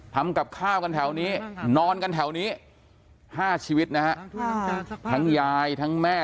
ทำกับข้าวกันแถวนี้นอนกันแถวนี้๕ชีวิตนะฮะทั้งยายทั้งแม่